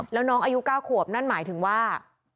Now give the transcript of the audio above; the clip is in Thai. แล้วน้องอายุ๙ขวบนั่นหมายถึงว่า